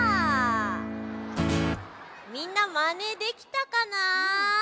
みんなマネできたかな？